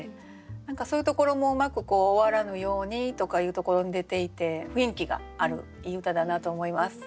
何かそういうところもうまく「終わらぬように」とかいうところに出ていて雰囲気があるいい歌だなと思います。